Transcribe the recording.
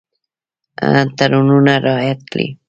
تړونونه رعایت کړي.